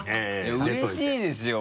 うれしいですよ